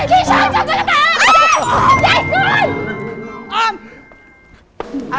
ใช่ว่าใช่